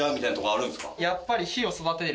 やっぱり。